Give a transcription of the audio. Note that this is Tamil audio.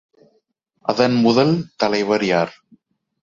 அதன் முதல் தலைவர் யார்?